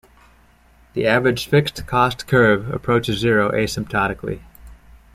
The Average Fixed Cost curve approaches zero asymptotically.